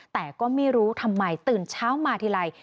แต่ก็ไม่รู้ทำไมตื่นเช้ามาทีไร